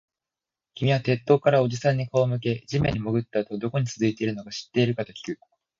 君は鉄塔からおじさんに顔を向け、地面に潜ったあとはどこに続いているのか知っているかときく